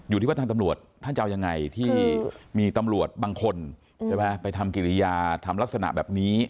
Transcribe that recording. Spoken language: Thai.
อยู่ที่ว่าทางตำรวจท่านจะเอายังไงที่มีตำรวจบางคนใช่ไหมไปทำกิริยาทำลักษณะแบบนี้